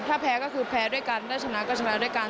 ถ้าแพ้ก็คือแพ้ด้วยกันถ้าชนะก็ชนะด้วยกัน